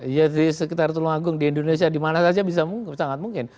iya di sekitar tulung agung di indonesia dimana saja bisa sangat mungkin